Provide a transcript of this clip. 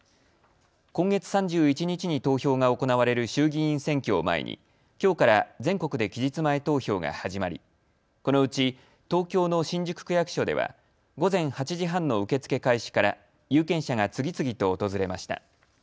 今月３１日に投票が行われる衆議院選挙を前にきょうから全国で期日前投票が始まりこのうち東京の新宿区役所では午前８時半の受け付け開始から有権者が次々と訪れました。